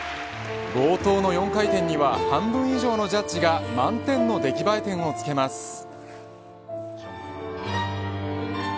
冒頭の４回転には半分以上のジャッジが満点の出来栄え点をつけます。